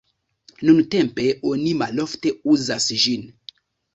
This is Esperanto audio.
Nuntempe oni malofte uzas ĝin.